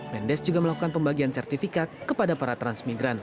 mendes juga melakukan pembagian sertifikat kepada para transmigran